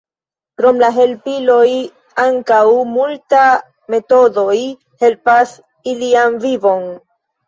Krom la helpiloj ankaŭ multa metodoj helpas ilian vivon.